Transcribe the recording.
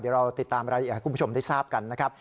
เดี๋ยวเราติดตามรายละเอียดให้คุณผู้ชมได้ทราบกันนะครับ